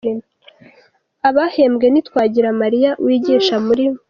abahembwe ni Twagiramaliya, wigisha muri